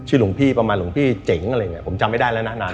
ชื่อหลวงพี่ประมาณหลวงพี่เจ๋งอะไรผมจำไม่ได้แล้วนะ